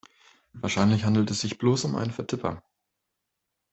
Wahrscheinlich handelt es sich bloß um einen Vertipper.